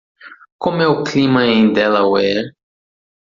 Como é o clima em Delaware?